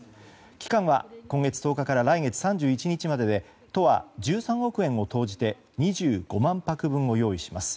期間は今月１０日から来月３１日までで都は１３億円を投じて２５万泊分を用意します。